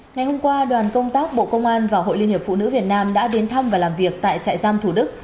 ngày hôm qua đoàn công tác bộ công an và hội liên hiệp phụ nữ việt nam đã đến thăm và làm việc tại trại giam thủ đức